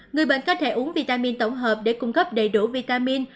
người bệnh có thể uống vitamin tổng hợp để cung cấp đầy đủ vitamin